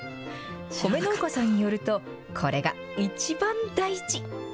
米農家さんによると、これが一番大事。